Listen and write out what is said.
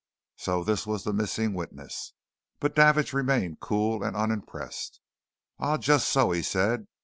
So this was the missing witness! But Davidge remained cool and unimpressed. "Ah, just so!" he said.